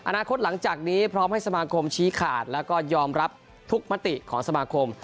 หลังจากนี้พร้อมให้สมาคมชี้ขาดแล้วก็ยอมรับทุกมติของสมาคม